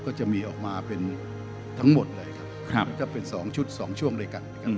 ก็จะมีออกมาเป็นทั้งหมดเลยครับมันก็เป็น๒ชุด๒ช่วงด้วยกันนะครับ